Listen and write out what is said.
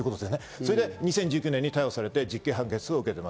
それで２０１９年に逮捕されて、実刑判決を受けています。